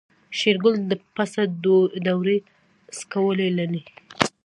شېرګل د پسه دوړې سکوللې.